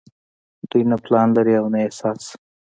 دوي نۀ پلان لري او نه احساس